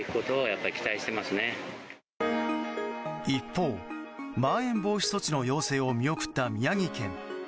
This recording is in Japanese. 一方、まん延防止措置の要請を見送った宮城県。